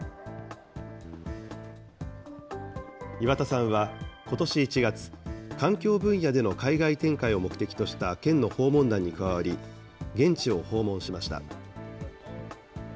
岩田さんはことし１月、環境分野での海外展開を目的とした県の訪問団に加わり、現地を訪問しました。